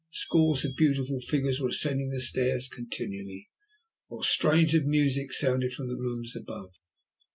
Scores of beautiful figures were ascending the stairs continually, while strains of music sounded from the rooms above.